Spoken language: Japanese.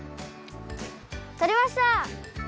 とれました！